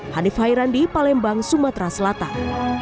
hanif hairandi palembang sumatera selatan